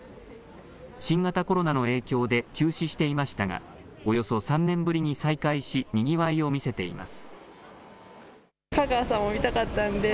新型コロナの影響で、休止していましたが、およそ３年ぶりに再開し、にぎわいを見せています。